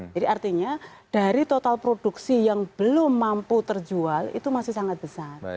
jadi artinya dari total produksi yang belum mampu terjual itu masih sangat besar